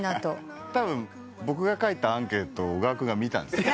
たぶん僕が書いたアンケートを小川君が見たんですよ。